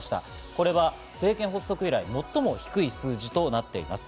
これは政権発足以来、最も低い数字となっています。